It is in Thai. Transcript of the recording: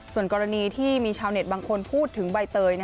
ส่วนกรณีที่มีชาวเน็ตบางคนพูดถึงใบเตย